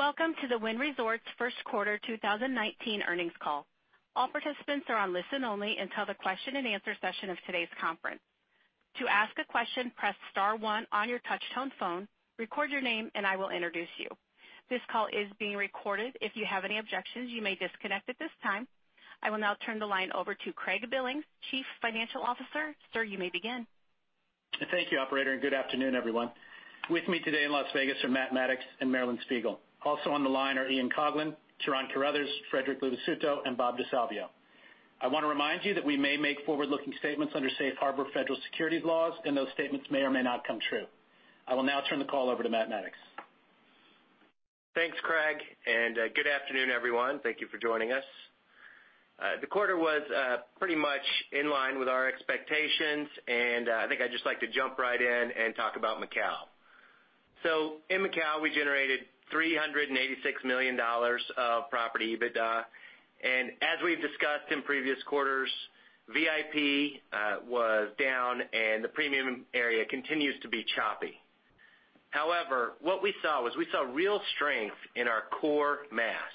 Welcome to the Wynn Resorts first quarter 2019 earnings call. All participants are on listen only until the question and answer session of today's conference. To ask a question, press star one on your touch-tone phone, record your name, and I will introduce you. This call is being recorded. If you have any objections, you may disconnect at this time. I will now turn the line over to Craig Billings, Chief Financial Officer. Sir, you may begin. Thank you, operator. Good afternoon, everyone. With me today in Las Vegas are Matt Maddox and Marilyn Spiegel. Also on the line are Ian Coughlan, Ciarán Carruthers, Frederic Luvisutto, and Robert DeSalvio. I want to remind you that we may make forward-looking statements under Safe Harbor federal securities laws. Those statements may or may not come true. I will now turn the call over to Matt Maddox. Thanks, Craig. Good afternoon, everyone. Thank you for joining us. The quarter was pretty much in line with our expectations. I think I'd just like to jump right in and talk about Macau. In Macau, we generated $386 million of property EBITDA. As we've discussed in previous quarters, VIP was down and the premium area continues to be choppy. However, what we saw was we saw real strength in our core mass.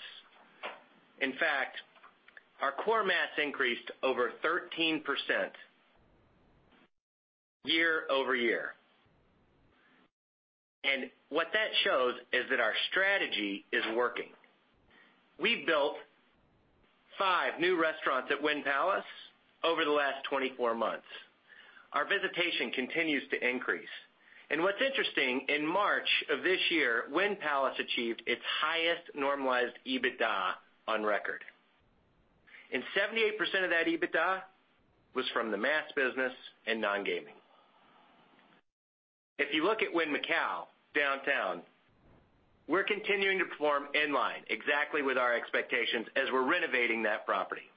In fact, our core mass increased over 13% year-over-year. What that shows is that our strategy is working. We built five new restaurants at Wynn Palace over the last 24 months. Our visitation continues to increase. What's interesting, in March of this year, Wynn Palace achieved its highest normalized EBITDA on record. 78% of that EBITDA was from the mass business and non-gaming. If you look at Wynn Macau, downtown, we're continuing to perform in line exactly with our expectations as we're renovating that property.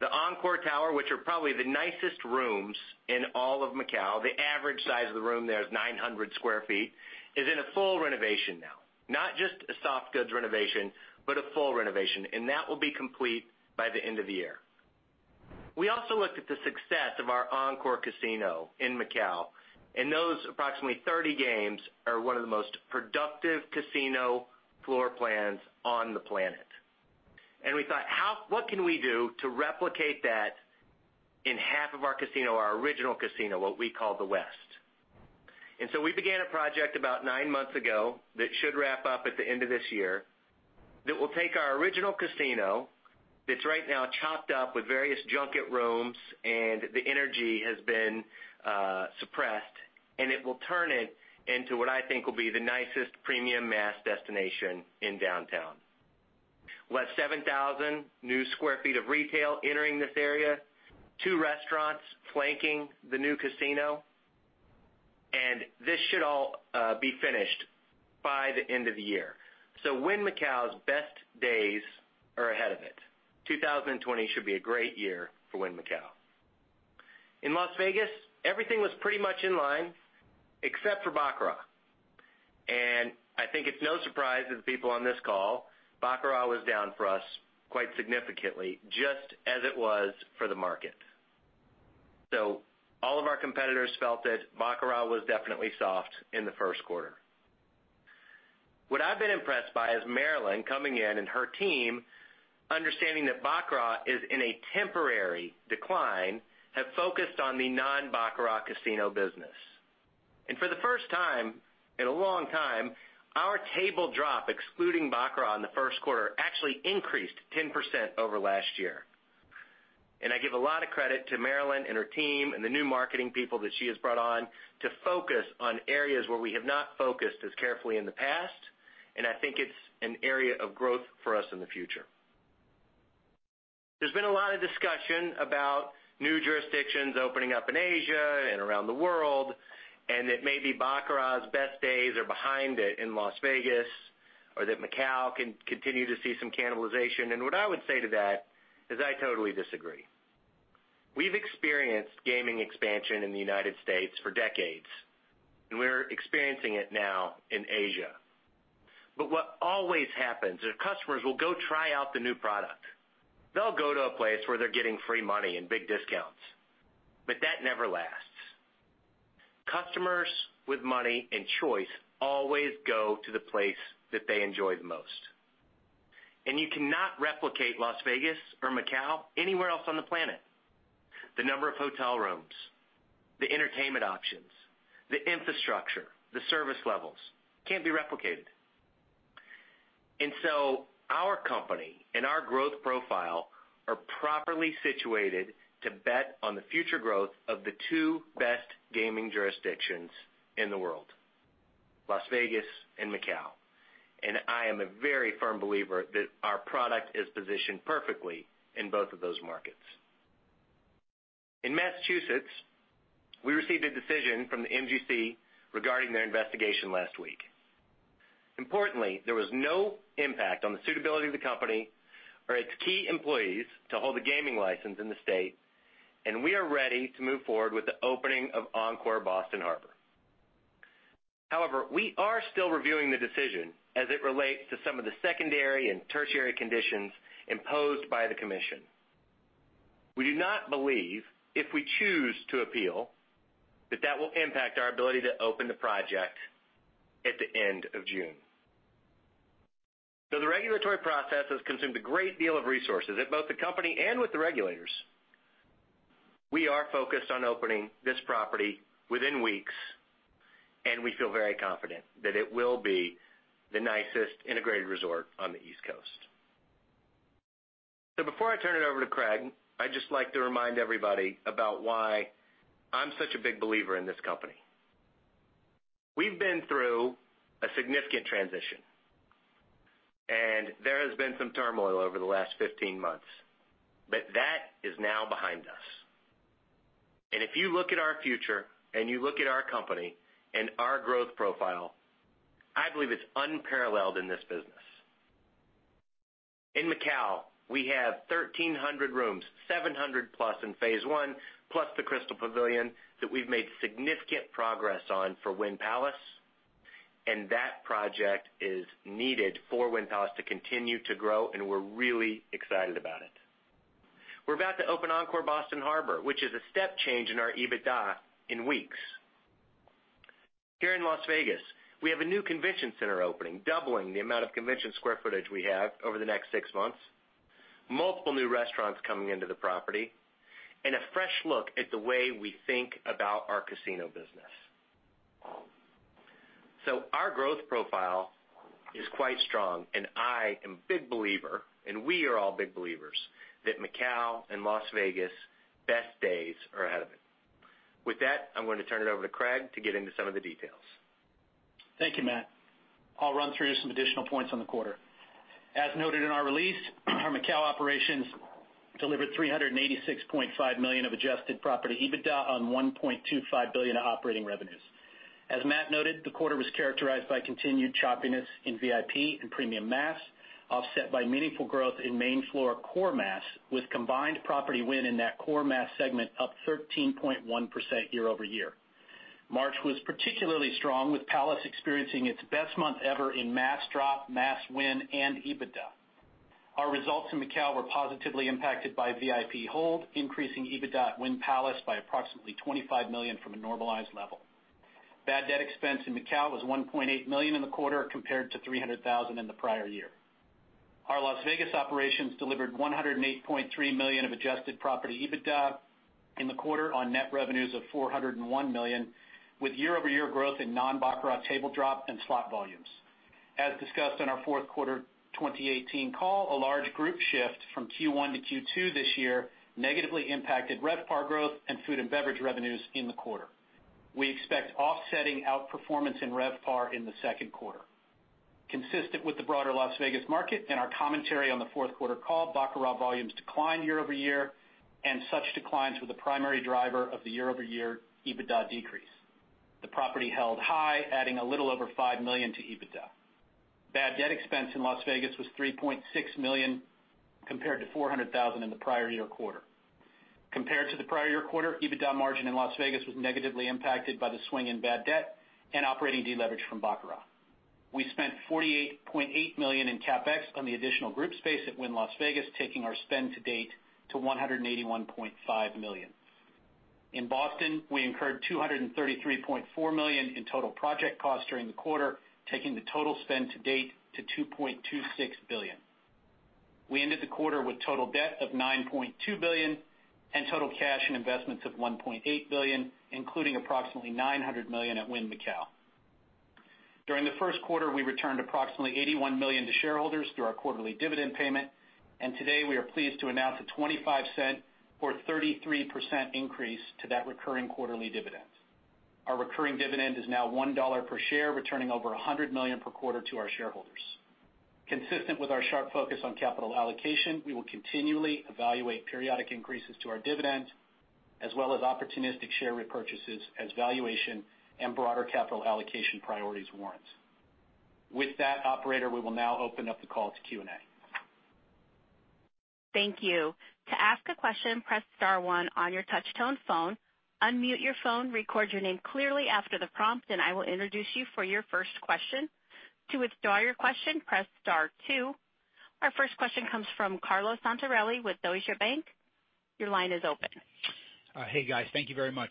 The Encore tower, which are probably the nicest rooms in all of Macau, the average size of the room there is 900 sq ft, is in a full renovation now. Not just a soft goods renovation, but a full renovation. That will be complete by the end of the year. We also looked at the success of our Encore casino in Macau. Those approximately 30 games are one of the most productive casino floor plans on the planet. We thought, "What can we do to replicate that in half of our casino, our original casino, what we call the West?" We began a project about nine months ago that should wrap up at the end of this year, that will take our original casino, that's right now chopped up with various junket rooms and the energy has been suppressed, and it will turn it into what I think will be the nicest premium mass destination in downtown. We'll have 7,000 new sq ft of retail entering this area, two restaurants flanking the new casino, and this should all be finished by the end of the year. Wynn Macau's best days are ahead of it. 2020 should be a great year for Wynn Macau. In Las Vegas, everything was pretty much in line except for baccarat. I think it's no surprise that the people on this call, baccarat was down for us quite significantly, just as it was for the market. All of our competitors felt it. Baccarat was definitely soft in the first quarter. What I've been impressed by is Marilyn coming in and her team, understanding that baccarat is in a temporary decline, have focused on the non-baccarat casino business. For the first time in a long time, our table drop, excluding baccarat in the first quarter, actually increased 10% over last year. I give a lot of credit to Marilyn and her team and the new marketing people that she has brought on to focus on areas where we have not focused as carefully in the past, and I think it's an area of growth for us in the future. There's been a lot of discussion about new jurisdictions opening up in Asia and around the world, and that maybe baccarat's best days are behind it in Las Vegas, or that Macau can continue to see some cannibalization. What I would say to that is I totally disagree. We've experienced gaming expansion in the U.S. for decades, and we're experiencing it now in Asia. What always happens is customers will go try out the new product. They'll go to a place where they're getting free money and big discounts. That never lasts. Customers with money and choice always go to the place that they enjoy the most. You cannot replicate Las Vegas or Macau anywhere else on the planet. The number of hotel rooms, the entertainment options, the infrastructure, the service levels, can't be replicated. Our company and our growth profile are properly situated to bet on the future growth of the two best gaming jurisdictions in the world, Las Vegas and Macau. I am a very firm believer that our product is positioned perfectly in both of those markets. In Massachusetts, we received a decision from the MGC regarding their investigation last week. Importantly, there was no impact on the suitability of the company or its key employees to hold a gaming license in the state, and we are ready to move forward with the opening of Encore Boston Harbor. However, we are still reviewing the decision as it relates to some of the secondary and tertiary conditions imposed by the commission. We do not believe, if we choose to appeal, that that will impact our ability to open the project at the end of June. Though the regulatory process has consumed a great deal of resources at both the company and with the regulators, we are focused on opening this property within weeks, and we feel very confident that it will be the nicest integrated resort on the East Coast. Before I turn it over to Craig, I'd just like to remind everybody about why I'm such a big believer in this company. We've been through a significant transition, and there has been some turmoil over the last 15 months, but that is now behind us. If you look at our future and you look at our company and our growth profile, I believe it's unparalleled in this business. In Macau, we have 1,300 rooms, 700 plus in phase one, plus the Crystal Pavilion that we've made significant progress on for Wynn Palace, and that project is needed for Wynn Palace to continue to grow, and we're really excited about it. We're about to open Encore Boston Harbor, which is a step change in our EBITDA in weeks. Here in Las Vegas, we have a new convention center opening, doubling the amount of convention square footage we have over the next six months, multiple new restaurants coming into the property, and a fresh look at the way we think about our casino business. Our growth profile is quite strong, and I am big believer, and we are all big believers, that Macau and Las Vegas best days are ahead of it. With that, I'm going to turn it over to Craig to get into some of the details. Thank you, Matt. I'll run through some additional points on the quarter. As noted in our release, our Macau operations delivered $386.5 million of adjusted property EBITDA on $1.25 billion of operating revenues. As Matt noted, the quarter was characterized by continued choppiness in VIP and premium mass, offset by meaningful growth in main floor core mass, with combined property win in that core mass segment up 13.1% year-over-year. March was particularly strong, with Wynn Palace experiencing its best month ever in mass drop, mass win and EBITDA. Our results in Macau were positively impacted by VIP hold, increasing EBITDA at Wynn Palace by approximately $25 million from a normalized level. Bad debt expense in Macau was $1.8 million in the quarter, compared to $300,000 in the prior year. Our Las Vegas operations delivered $108.3 million of adjusted property EBITDA in the quarter on net revenues of $401 million, with year-over-year growth in non-baccarat table drop and slot volumes. As discussed on our fourth quarter 2018 call, a large group shift from Q1 to Q2 this year negatively impacted RevPAR growth and food and beverage revenues in the quarter. We expect offsetting outperformance in RevPAR in the second quarter. Consistent with the broader Las Vegas market and our commentary on the fourth quarter call, baccarat volumes declined year-over-year, and such declines were the primary driver of the year-over-year EBITDA decrease. The property held high, adding a little over $5 million to EBITDA. Bad debt expense in Las Vegas was $3.6 million, compared to $400,000 in the prior year quarter. Compared to the prior year quarter, EBITDA margin in Las Vegas was negatively impacted by the swing in bad debt and operating deleverage from baccarat. We spent $48.8 million in CapEx on the additional group space at Wynn Las Vegas, taking our spend to date to $181.5 million. In Boston, we incurred $233.4 million in total project costs during the quarter, taking the total spend to date to $2.26 billion. We ended the quarter with total debt of $9.2 billion and total cash and investments of $1.8 billion, including approximately $900 million at Wynn Macau. During the first quarter, we returned approximately $81 million to shareholders through our quarterly dividend payment, and today we are pleased to announce a $0.25 or 33% increase to that recurring quarterly dividend. Our recurring dividend is now $1 per share, returning over $100 million per quarter to our shareholders. Consistent with our sharp focus on capital allocation, we will continually evaluate periodic increases to our dividend, as well as opportunistic share repurchases as valuation and broader capital allocation priorities warrants. Operator, we will now open up the call to Q&A. Thank you. To ask a question, press *1 on your touchtone phone, unmute your phone, record your name clearly after the prompt, and I will introduce you for your first question. To withdraw your question, press *2. Our first question comes from Carlo Santarelli with Deutsche Bank. Your line is open. Hey, guys. Thank you very much.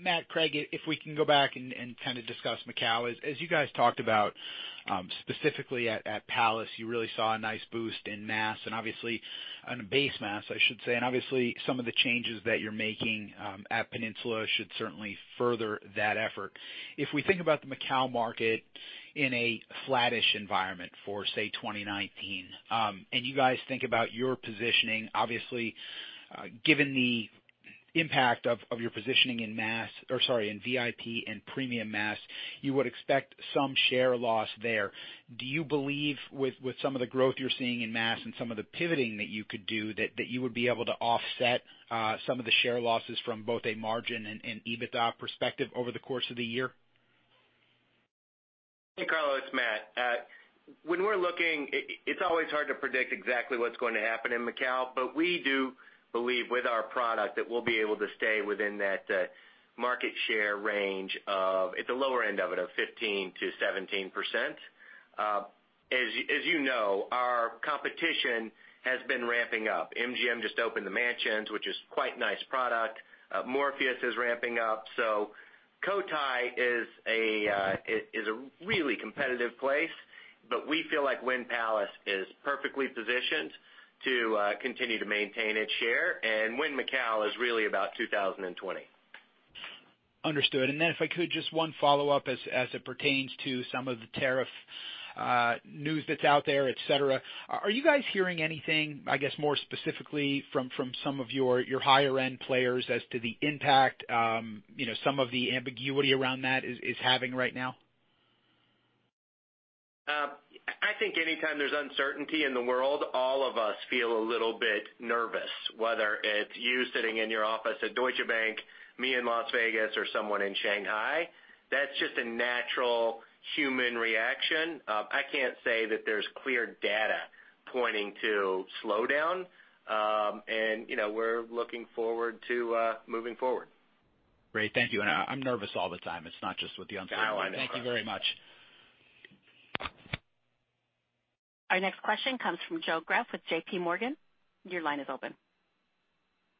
Matt, Craig, if we can go back and kind of discuss Macau. As you guys talked about, specifically at Palace, you really saw a nice boost in mass, and in base mass, I should say. Obviously, some of the changes that you're making, at Peninsula should certainly further that effort. If we think about the Macau market in a flattish environment for, say, 2019, you guys think about your positioning, obviously, given the impact of your positioning in mass-- or, sorry, in VIP and premium mass, you would expect some share loss there. Do you believe with some of the growth you're seeing in mass and some of the pivoting that you could do, that you would be able to offset some of the share losses from both a margin and EBITDA perspective over the course of the year? Hey, Carlo, Matt. When we're looking, it's always hard to predict exactly what's going to happen in Macau, but we do believe with our product that we'll be able to stay within that market share range of, at the lower end of it, of 15%-17%. As you know, our competition has been ramping up. MGM just opened the Mansions, which is quite nice product. Morpheus is ramping up. Cotai is a really competitive place, but we feel like Wynn Palace is perfectly positioned to continue to maintain its share. Wynn Macau is really about 2020. Understood. If I could, just one follow-up as it pertains to some of the tariff news that's out there, et cetera. Are you guys hearing anything, I guess, more specifically from some of your higher-end players as to the impact, some of the ambiguity around that is having right now? I think anytime there's uncertainty in the world, all of us feel a little bit nervous, whether it's you sitting in your office at Deutsche Bank, me in Las Vegas, or someone in Shanghai. That's just a natural human reaction. I can't say that there's clear data pointing to slowdown. We're looking forward to moving forward. Great. Thank you. I'm nervous all the time. It's not just with the uncertainty. Now I'm nervous. Thank you very much. Our next question comes from Joe Greff with J.P. Morgan. Your line is open.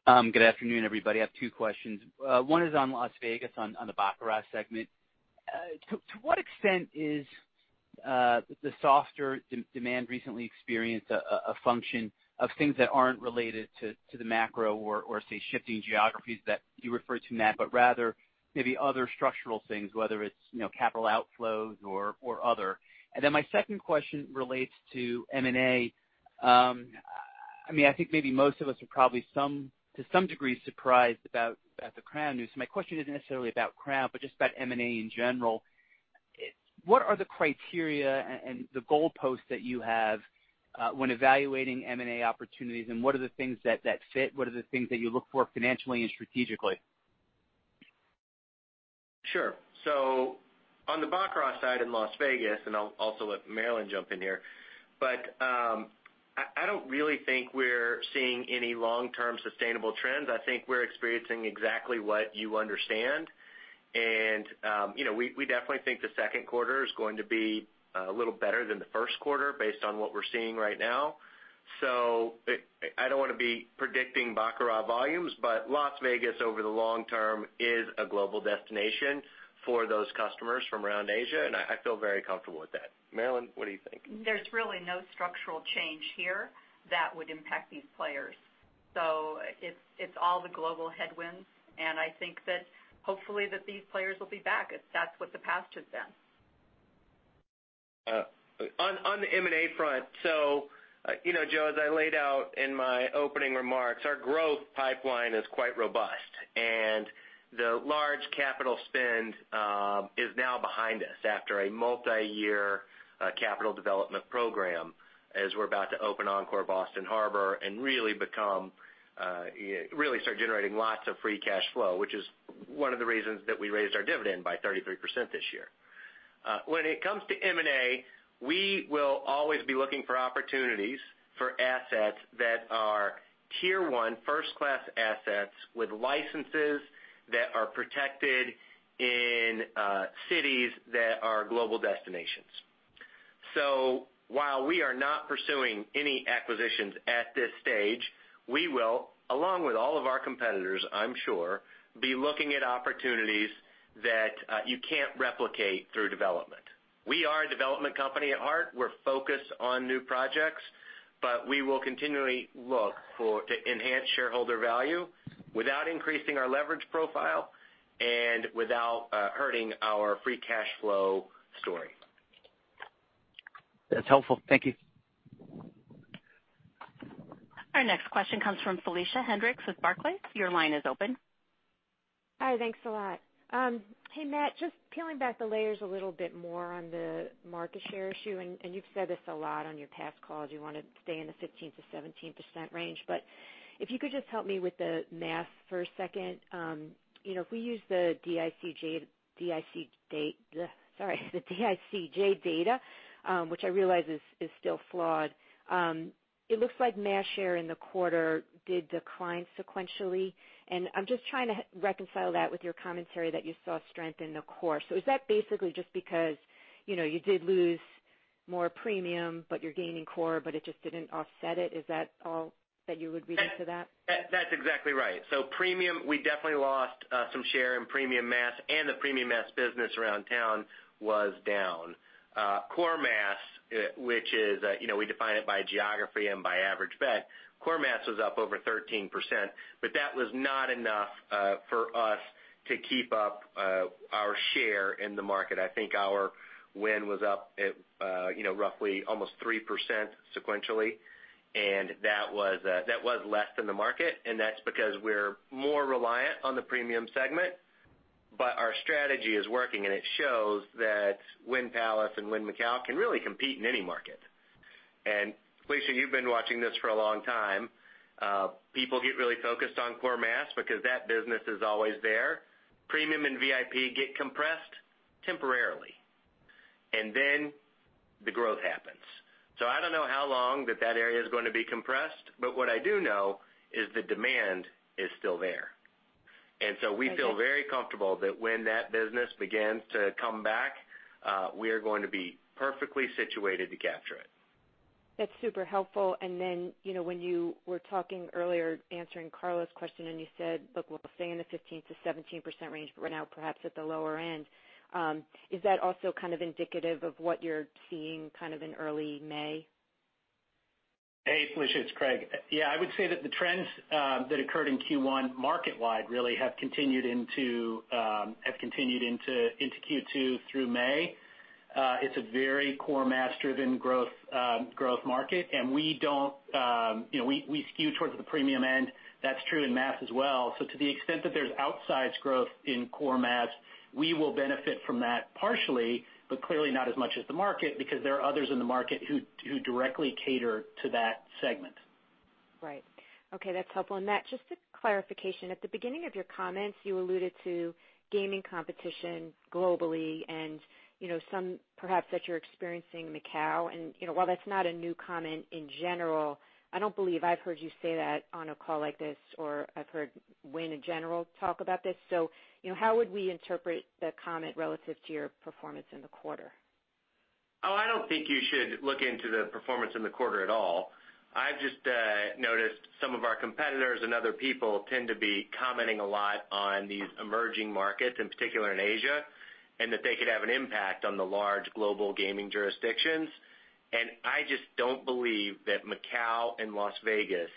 Good afternoon, everybody. I have two questions. One is on Las Vegas on the baccarat segment. To what extent is the softer demand recently experienced a function of things that aren't related to the macro or, say, shifting geographies that you referred to, Matt, but rather maybe other structural things, whether it's capital outflows or other? My second question relates to M&A. I think maybe most of us are probably to some degree, surprised about the Crown news. My question isn't necessarily about Crown, but just about M&A in general. What are the criteria and the goalposts that you have when evaluating M&A opportunities, and what are the things that fit? What are the things that you look for financially and strategically? Sure. On the baccarat side in Las Vegas, and I'll also let Marilyn jump in here, but I don't really think we're seeing any long-term sustainable trends. I think we're experiencing exactly what you understand. We definitely think the second quarter is going to be a little better than the first quarter based on what we're seeing right now. I don't want to be predicting baccarat volumes, but Las Vegas over the long term is a global destination for those customers from around Asia, and I feel very comfortable with that. Marilyn, what do you think? There's really no structural change here that would impact these players. It's all the global headwinds, and I think that hopefully that these players will be back, as that's what the past has done. On the M&A front, Joe, as I laid out in my opening remarks, our growth pipeline is quite robust, and the large capital spend is now behind us after a multi-year capital development program, as we're about to open Encore Boston Harbor and really start generating lots of free cash flow, which is one of the reasons that we raised our dividend by 33% this year. When it comes to M&A, we will always be looking for opportunities for assets that are tier 1, first-class assets with licenses that are protected in cities that are global destinations. While we are not pursuing any acquisitions at this stage, we will, along with all of our competitors, I'm sure, be looking at opportunities that you can't replicate through development. We are a development company at heart. We're focused on new projects, we will continually look to enhance shareholder value without increasing our leverage profile and without hurting our free cash flow story. That's helpful. Thank you. Our next question comes from Felicia Hendrix with Barclays. Your line is open. Hi, thanks a lot. Hey, Matt, just peeling back the layers a little bit more on the market share issue. You've said this a lot on your past calls, you want to stay in the 15%-17% range. If you could just help me with the math for a second. If we use the DICJ data, which I realize is still flawed, it looks like mass share in the quarter did decline sequentially, and I'm just trying to reconcile that with your commentary that you saw strength in the core. Is that basically just because you did lose more premium, but you're gaining core, but it just didn't offset it? Is that all that you would read into that? That's exactly right. Premium, we definitely lost some share in premium mass. The premium mass business around town was down. Core mass, which we define it by geography and by average bet, core mass was up over 13%, but that was not enough for us to keep up our share in the market. I think our win was up at roughly almost 3% sequentially. That was less than the market, and that's because we're more reliant on the premium segment. Our strategy is working, and it shows that Wynn Palace and Wynn Macau can really compete in any market. Felicia, you've been watching this for a long time. People get really focused on core mass because that business is always there. Premium and VIP get compressed temporarily. The growth happens. I don't know how long that area is going to be compressed, but what I do know is the demand is still there We feel very comfortable that when that business begins to come back, we are going to be perfectly situated to capture it. That's super helpful. When you were talking earlier answering Carlo's question, and you said, "Look, we'll stay in the 15%-17% range, but we're now perhaps at the lower end." Is that also indicative of what you're seeing in early May? Hey, Felicia, it's Craig. I would say that the trends that occurred in Q1 market-wide really have continued into Q2 through May. It's a very core mass-driven growth market. We skew towards the premium end. That's true in mass as well. To the extent that there's outsized growth in core mass, we will benefit from that partially, but clearly not as much as the market, because there are others in the market who directly cater to that segment. Right. Okay, that's helpful. Matt, just a clarification. At the beginning of your comments, you alluded to gaming competition globally and some perhaps that you're experiencing Macau. While that's not a new comment in general, I don't believe I've heard you say that on a call like this, or I've heard Wynn in general talk about this. How would we interpret the comment relative to your performance in the quarter? I don't think you should look into the performance in the quarter at all. I've just noticed some of our competitors and other people tend to be commenting a lot on these emerging markets, in particular in Asia, and that they could have an impact on the large global gaming jurisdictions. I just don't believe that Macau and Las Vegas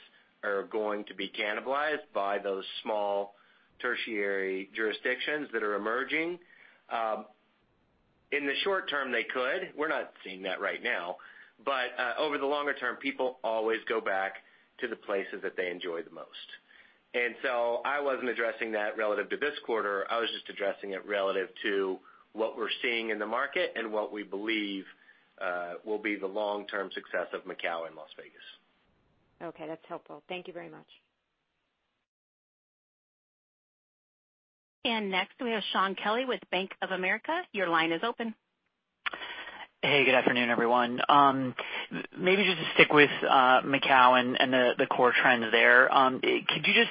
are going to be cannibalized by those small tertiary jurisdictions that are emerging. In the short term, they could. We're not seeing that right now. Over the longer term, people always go back to the places that they enjoy the most. I wasn't addressing that relative to this quarter. I was just addressing it relative to what we're seeing in the market and what we believe will be the long-term success of Macau and Las Vegas. Okay, that's helpful. Thank you very much. Next we have Shaun Kelley with Bank of America. Your line is open. Hey, good afternoon, everyone. Maybe just to stick with Macau and the core trends there. Could you just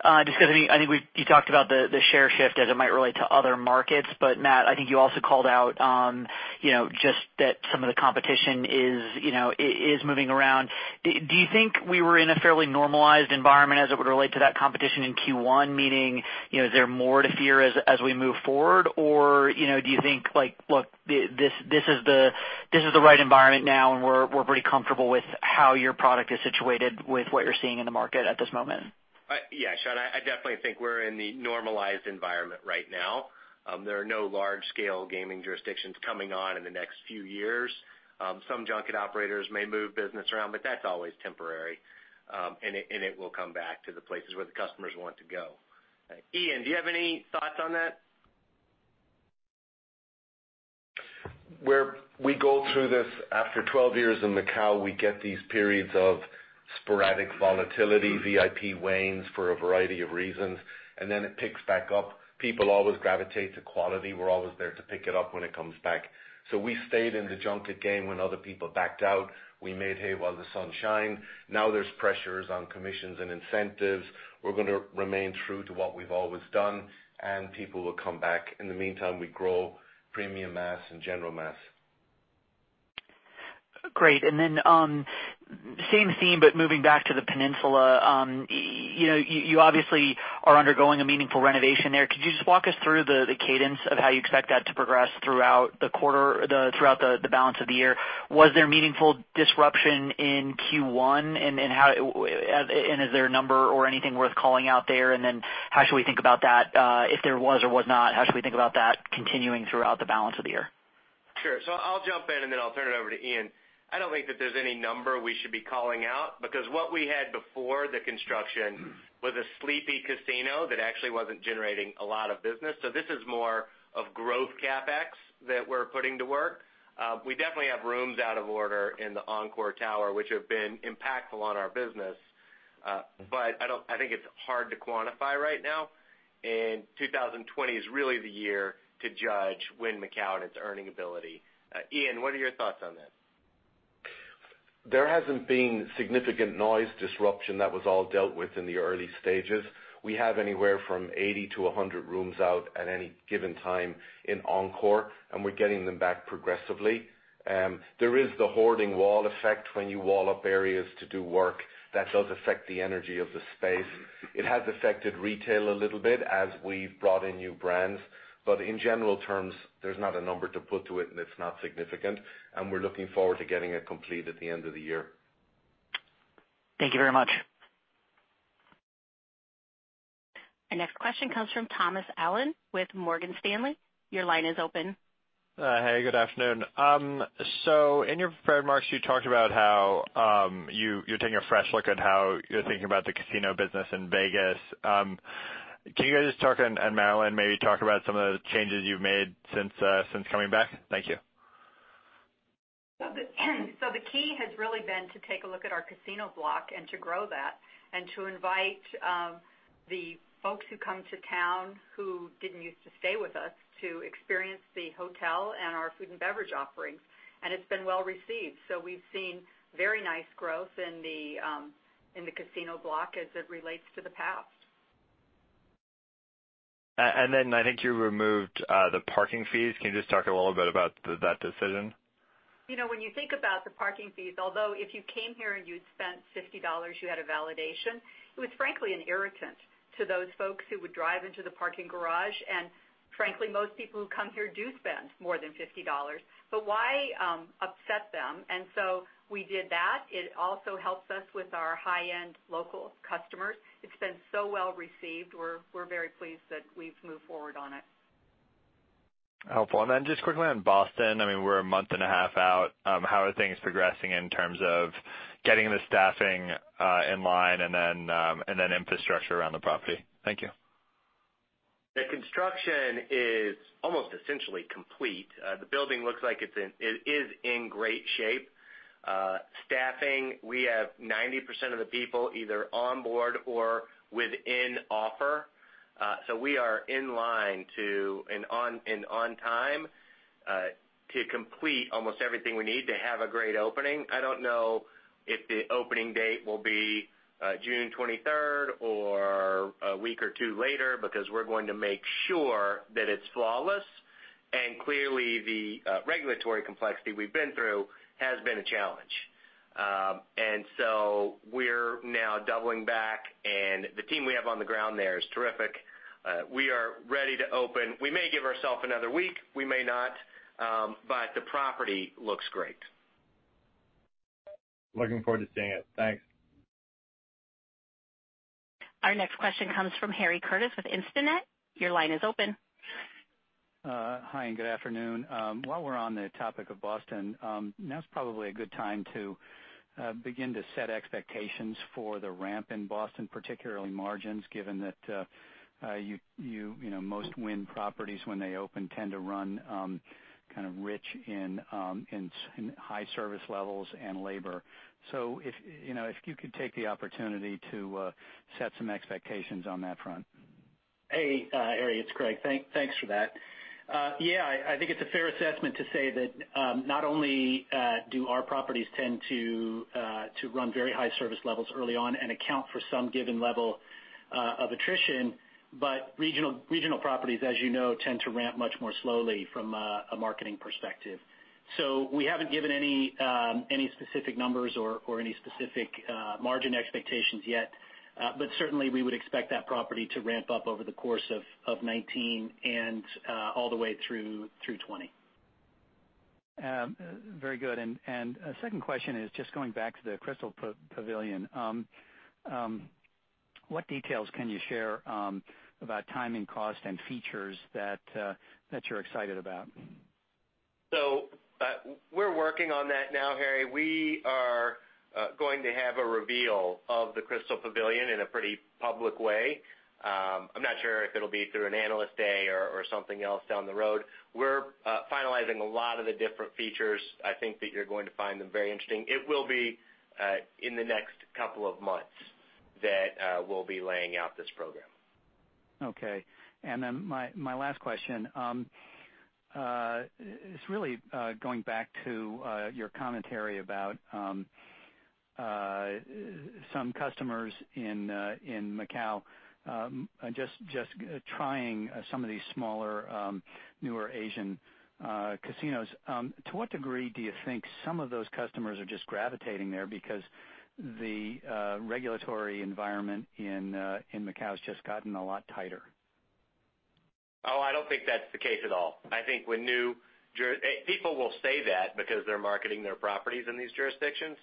discuss I think you talked about the share shift as it might relate to other markets, but Matt, I think you also called out just that some of the competition is moving around. Do you think we were in a fairly normalized environment as it would relate to that competition in Q1? Meaning, is there more to fear as we move forward? Do you think, look, this is the right environment now, and we're pretty comfortable with how your product is situated with what you're seeing in the market at this moment? Yeah, Shaun, I definitely think we're in the normalized environment right now. There are no large-scale gaming jurisdictions coming on in the next few years. Some junket operators may move business around, but that's always temporary. It will come back to the places where the customers want to go. Ian, do you have any thoughts on that? We go through this after 12 years in Macau. We get these periods of sporadic volatility. VIP wanes for a variety of reasons, then it picks back up. People always gravitate to quality. We're always there to pick it up when it comes back. We stayed in the junket game when other people backed out. We made hay while the sun shined. Now there's pressures on commissions and incentives. We're going to remain true to what we've always done, people will come back. In the meantime, we grow premium mass and general mass. Great. Same theme, but moving back to the Peninsula. You obviously are undergoing a meaningful renovation there. Could you just walk us through the cadence of how you expect that to progress throughout the balance of the year? Was there meaningful disruption in Q1 is there a number or anything worth calling out there? How should we think about that if there was or was not, how should we think about that continuing throughout the balance of the year? Sure. I'll jump in and then I'll turn it over to Ian. I don't think that there's any number we should be calling out because what we had before the construction was a sleepy casino that actually wasn't generating a lot of business. This is more of growth CapEx that we're putting to work. We definitely have rooms out of order in the Encore tower, which have been impactful on our business. I think it's hard to quantify right now, and 2020 is really the year to judge Wynn Macau and its earning ability. Ian, what are your thoughts on this? There hasn't been significant noise disruption. That was all dealt with in the early stages. We have anywhere from 80 to 100 rooms out at any given time in Encore, and we're getting them back progressively. There is the hoarding wall effect when you wall up areas to do work. That does affect the energy of the space. It has affected retail a little bit as we've brought in new brands. In general terms, there's not a number to put to it and it's not significant, and we're looking forward to getting it complete at the end of the year. Thank you very much. Our next question comes from Thomas Allen with Morgan Stanley. Your line is open. Hey, good afternoon. In your remarks, you talked about how you're taking a fresh look at how you're thinking about the casino business in Las Vegas. Can you guys just talk, and Marilyn, maybe talk about some of the changes you've made since coming back? Thank you. The key has really been to take a look at our casino block and to grow that and to invite the folks who come to town who didn't use to stay with us to experience the hotel and our food and beverage offerings, and it's been well received. We've seen very nice growth in the casino block as it relates to the past. I think you removed the parking fees. Can you just talk a little bit about that decision? When you think about the parking fees, although if you came here and you'd spent $50, you had a validation, it was frankly an irritant to those folks who would drive into the parking garage, and frankly, most people who come here do spend more than $50. Why upset them? We did that. It also helps us with our high-end local customers. It's been so well-received. We're very pleased that we've moved forward on it. Helpful. Just quickly on Boston, we're a month and a half out. How are things progressing in terms of getting the staffing in line and infrastructure around the property? Thank you. The construction is almost essentially complete. The building looks like it is in great shape. Staffing, we have 90% of the people either on board or within offer. We are in line to and on time to complete almost everything we need to have a great opening. I don't know if the opening date will be June 23rd or a week or two later, because we're going to make sure that it's flawless, and clearly the regulatory complexity we've been through has been a challenge. We're now doubling back, and the team we have on the ground there is terrific. We are ready to open. We may give ourself another week, we may not. The property looks great. Looking forward to seeing it. Thanks. Our next question comes from Harry Curtis with Instinet. Your line is open. Hi, and good afternoon. While we're on the topic of Boston, now's probably a good time to begin to set expectations for the ramp in Boston, particularly margins, given that most Wynn properties when they open tend to run kind of rich in high service levels and labor. If you could take the opportunity to set some expectations on that front. Hey, Harry Curtis, it's Craig Billings. Thanks for that. Yeah, I think it's a fair assessment to say that not only do our properties tend to run very high service levels early on and account for some given level of attrition, but regional properties, as you know, tend to ramp much more slowly from a marketing perspective. We haven't given any specific numbers or any specific margin expectations yet. Certainly, we would expect that property to ramp up over the course of 2019 and all the way through 2020. Very good. A second question is just going back to the Crystal Pavilion. What details can you share about timing, cost, and features that you're excited about? We're working on that now, Harry Curtis. We are going to have a reveal of the Crystal Pavilion in a pretty public way. I'm not sure if it'll be through an analyst day or something else down the road. We're finalizing a lot of the different features. I think that you're going to find them very interesting. It will be in the next couple of months that we'll be laying out this program. Okay. My last question. It's really going back to your commentary about some customers in Macau just trying some of these smaller, newer Asian casinos. To what degree do you think some of those customers are just gravitating there because the regulatory environment in Macau's just gotten a lot tighter? Oh, I don't think that's the case at all. People will say that because they're marketing their properties in these jurisdictions.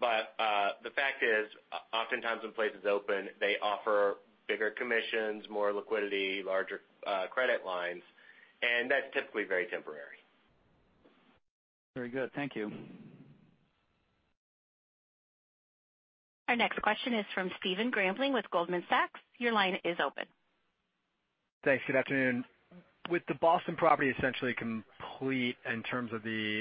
The fact is, oftentimes when places open, they offer bigger commissions, more liquidity, larger credit lines, that's typically very temporary. Very good. Thank you. Our next question is from Stephen Grambling with Goldman Sachs. Your line is open. Thanks. Good afternoon. With the Boston property essentially complete in terms of the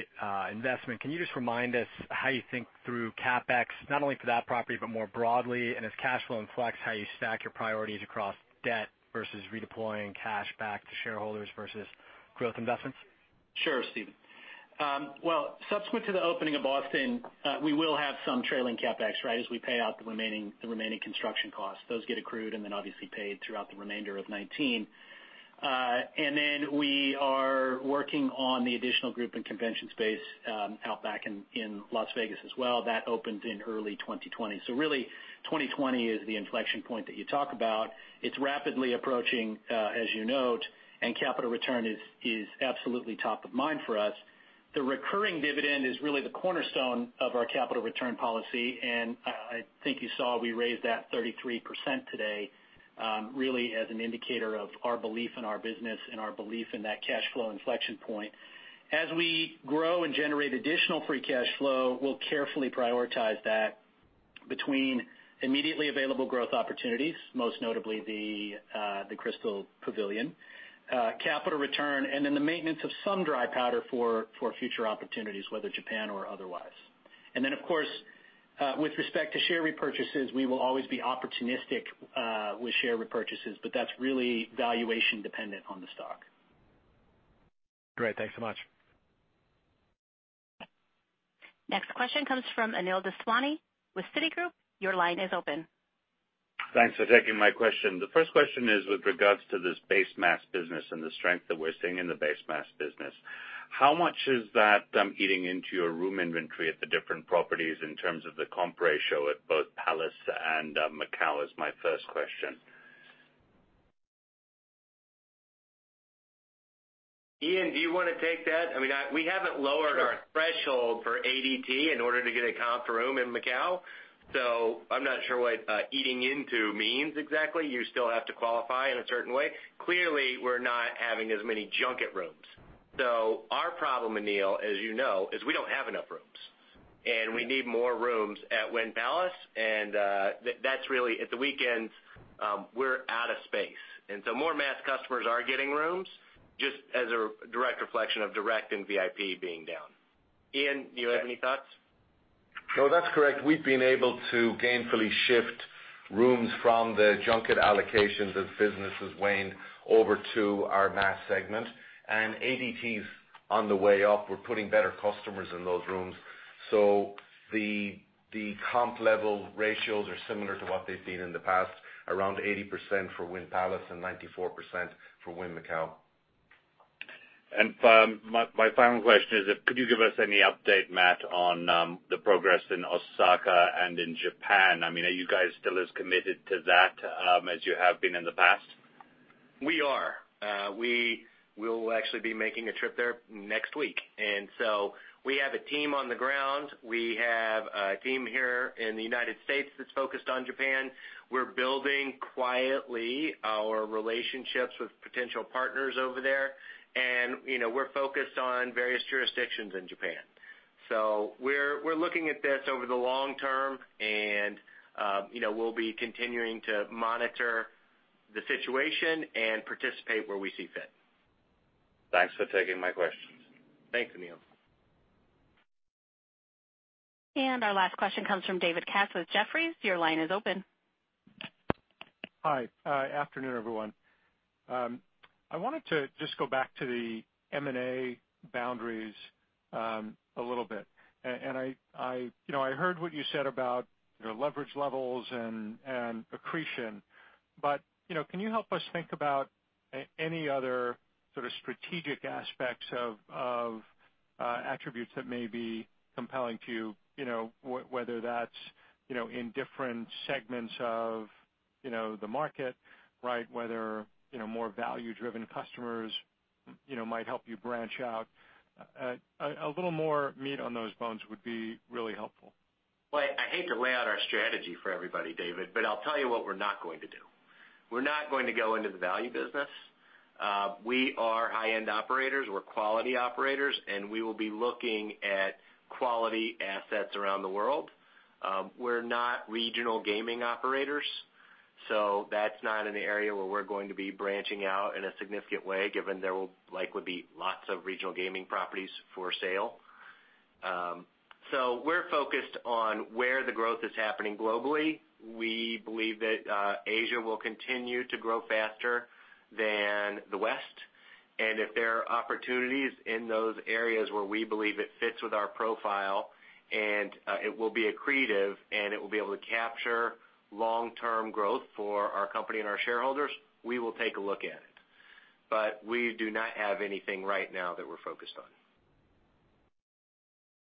investment, can you just remind us how you think through CapEx, not only for that property, but more broadly? As cash flow inflects, how you stack your priorities across debt versus redeploying cash back to shareholders versus growth investments? Sure, Stephen. Well, subsequent to the opening of Boston, we will have some trailing CapEx as we pay out the remaining construction costs. Those get accrued and then obviously paid throughout the remainder of 2019. We are working on the additional group and convention space out back in Las Vegas as well. That opens in early 2020. Really, 2020 is the inflection point that you talk about. It's rapidly approaching, as you note, capital return is absolutely top of mind for us. The recurring dividend is really the cornerstone of our capital return policy, and I think you saw we raised that 33% today, really as an indicator of our belief in our business and our belief in that cash flow inflection point. As we grow and generate additional free cash flow, we'll carefully prioritize that between immediately available growth opportunities, most notably the Crystal Pavilion, capital return, and then the maintenance of some dry powder for future opportunities, whether Japan or otherwise. Then, of course, with respect to share repurchases, we will always be opportunistic with share repurchases, but that's really valuation-dependent on the stock. Great. Thanks so much. Next question comes from Anil Daswani with Citigroup. Your line is open. Thanks for taking my question. The first question is with regards to this base mass business and the strength that we're seeing in the base mass business. How much is that eating into your room inventory at the different properties in terms of the comp ratio at both Palace and Macau, is my first question. Ian, do you want to take that? We haven't lowered our threshold for ADT in order to get a comp room in Macau, so I'm not sure what eating into means exactly. You still have to qualify in a certain way. Clearly, we're not having as many junket rooms. Our problem, Anil, as you know, is we don't have enough rooms. We need more rooms at Wynn Palace, and at the weekends, we're out of space. More mass customers are getting rooms, just as a direct reflection of direct and VIP being down. Ian, do you have any thoughts? No, that's correct. We've been able to gainfully shift rooms from the junket allocations as business has waned over to our mass segment. ADT's on the way up. We're putting better customers in those rooms. The comp level ratios are similar to what they've seen in the past, around 80% for Wynn Palace and 94% for Wynn Macau. My final question is, could you give us any update, Matt, on the progress in Osaka and in Japan? Are you guys still as committed to that as you have been in the past? We are. We will actually be making a trip there next week. We have a team on the ground. We have a team here in the U.S. that's focused on Japan. We're building quietly our relationships with potential partners over there. We're focused on various jurisdictions in Japan. We're looking at this over the long term, and we'll be continuing to monitor the situation and participate where we see fit. Thanks for taking my questions. Thanks, Anil. Our last question comes from David Katz with Jefferies. Your line is open. Hi. Afternoon, everyone. I wanted to just go back to the M&A boundaries a little bit. I heard what you said about your leverage levels and accretion. Can you help us think about any other sort of strategic aspects of attributes that may be compelling to you, whether that's in different segments of the market, whether more value-driven customers might help you branch out. A little more meat on those bones would be really helpful. Well, I hate to lay out our strategy for everybody, David, I'll tell you what we're not going to do. We're not going to go into the value business. We are high-end operators. We're quality operators, we will be looking at quality assets around the world. We're not regional gaming operators, that's not an area where we're going to be branching out in a significant way, given there would be lots of regional gaming properties for sale. We're focused on where the growth is happening globally. We believe that Asia will continue to grow faster than the West. If there are opportunities in those areas where we believe it fits with our profile and it will be accretive and it will be able to capture long-term growth for our company and our shareholders, we will take a look at it. We do not have anything right now that we're focused on.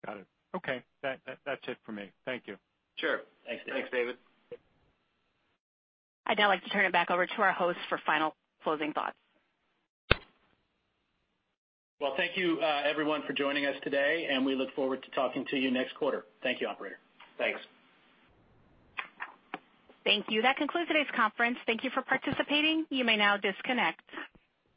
Got it. Okay. That's it for me. Thank you. Sure. Thanks, David. I'd now like to turn it back over to our host for final closing thoughts. Well, thank you everyone for joining us today, and we look forward to talking to you next quarter. Thank you, operator. Thanks. Thank you. That concludes today's conference. Thank you for participating. You may now disconnect.